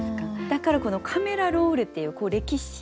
だからこのカメラロールっていう歴史。